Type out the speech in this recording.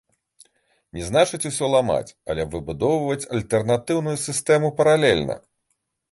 Не значыць усё ламаць, але выбудоўваць альтэрнатыўную сістэму паралельна.